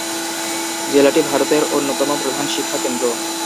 জেলাটি ভারতের অন্যতম প্রধান শিক্ষা কেন্দ্র।